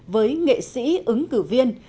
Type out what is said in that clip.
với nghệ sĩ ứng cử viên